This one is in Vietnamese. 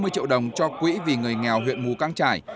năm mươi triệu đồng cho quỹ vì người nghèo huyện mù căng trải